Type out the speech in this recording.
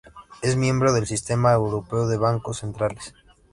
Es miembro del Sistema Europeo de Bancos Centrales.